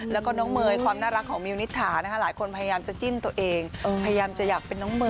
แล้วก็น้องเมย์ความน่ารักของมิวนิษฐานะคะหลายคนพยายามจะจิ้นตัวเองพยายามจะอยากเป็นน้องเมย์